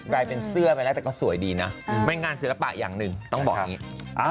กลายเป็นเสื้อไปแล้วแต่ก็สวยดีนะเป็นงานศิลปะอย่างหนึ่งต้องบอกอย่างนี้